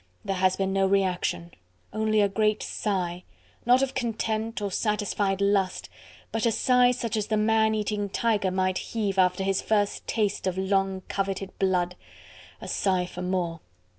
There has been no reaction only a great sigh!... Not of content or satisfied lust, but a sigh such as the man eating tiger might heave after his first taste of long coveted blood. A sigh for more!